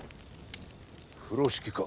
風呂敷か